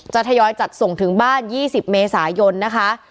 ทยอยจัดส่งถึงบ้าน๒๐เมษายนนะคะ